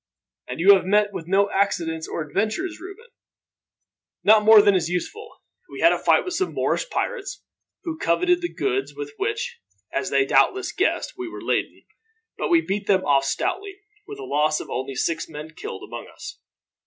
"And you have met with no accidents or adventures, Reuben?" "Not more than is useful. We had a fight with some Moorish pirates, who coveted the goods with which, as they doubtless guessed, we were laden; but we beat them off stoutly, with a loss of only six men killed among us.